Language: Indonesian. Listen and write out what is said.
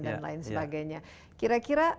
dan lain sebagainya kira kira